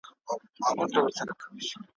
کله به مار کله زمری کله به دود سو پورته ,